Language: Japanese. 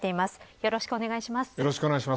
よろしくお願いします。